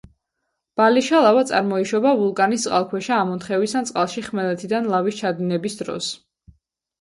ბალიშა ლავა წარმოიშობა ვულკანის წყალქვეშა ამონთხევის ან წყალში ხმელეთიდან ლავის ჩადინების დროს.